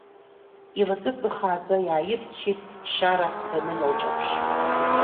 Илакыҵа хааӡа иааирччеит Шара даныналҿаԥш.